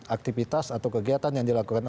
aktivitas atau kegiatan yang dilakukan